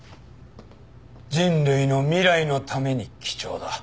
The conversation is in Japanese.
人類の未来のために貴重だ。